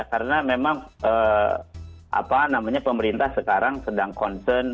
karena memang pemerintah sekarang sedang concern